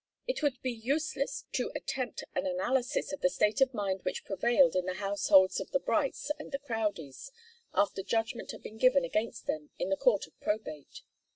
It would be useless to attempt an analysis of the state of mind which prevailed in the households of the Brights and the Crowdies after judgment had been given against them in the court of probate.